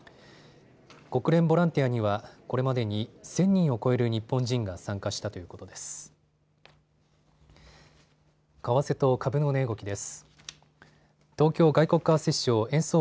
国連ボランティアにはこれまでに１０００人を超える日本人が参加したということです。